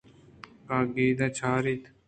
کاگدءَ چاریت